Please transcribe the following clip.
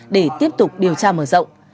để tiếp tục điều tra mở rộng